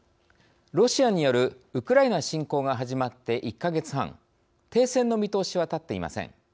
ロシアによるウクライナ侵攻が始まって１か月半停戦の見通しは立っていません。